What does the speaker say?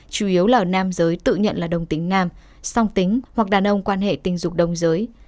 chủ yếu là nam giới tự nhận là đồng tính nam song tính hoặc đàn ông quan hệ tình dục đồng giới